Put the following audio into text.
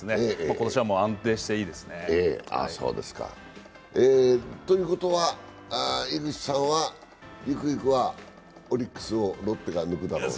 今年は安定していいですね。ということは井口さんはゆくゆくはオリックスがロッテを抜くだろうと？